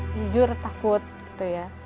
jujur takut gitu ya